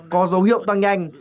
có dấu hiệu tăng nhanh